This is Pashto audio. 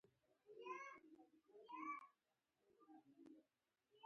نورو سیاسي ګوندونو حال جوت دی